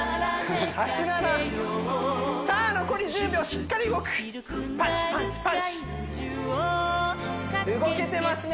さすがなさあ残り１０秒しっかり動くパンチパンチパンチ動けてますね